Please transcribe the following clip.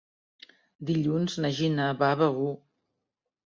Dilluns na Gina va a Begur.